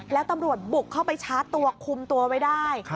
แล้วตำรวจบุกเข้าไปชาร์จตัวคุมตัวไว้ได้